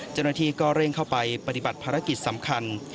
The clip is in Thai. เจ้าหน้าที่ก็เร่งเข้าไปปฏิบัติภารกิจสำคัญ